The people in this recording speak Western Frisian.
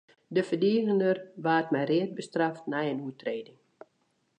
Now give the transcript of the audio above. De ferdigener waard mei read bestraft nei in oertrêding.